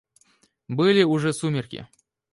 Были уже сумерки.